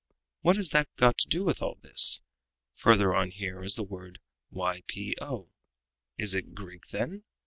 What has that got to do with all this? Further on here is the word ypo. Is it Greek, then?